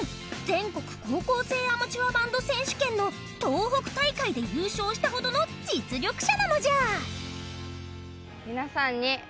全国高校生アマチュアバンド選手権の東北大会で優勝したほどの実力者なのじゃ。